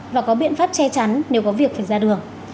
và có biện pháp che chắn nếu có việc phải ra đường